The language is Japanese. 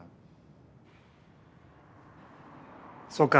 そうか。